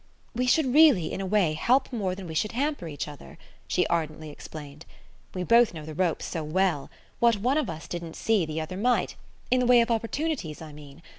"We should really, in a way, help more than we should hamper each other," she ardently explained. "We both know the ropes so well; what one of us didn't see the other might in the way of opportunities, I mean.